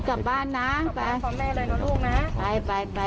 ครับบ้านนะ